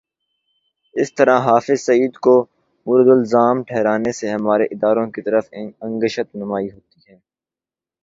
اس طرح حافظ سعید کو مورد الزام ٹھہرانے سے ہمارے اداروں کی طرف انگشت نمائی ہوتی ہے۔